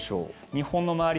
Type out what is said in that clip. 日本の周り